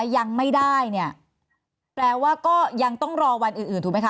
ยังไม่ได้เนี่ยแปลว่าก็ยังต้องรอวันอื่นถูกไหมค